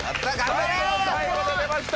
最後の最後で出ました。